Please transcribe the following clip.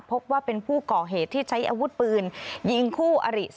พบว่าเป็นผู้ก่อเหตุที่ใช้อาวุธปืนยิงคู่อริ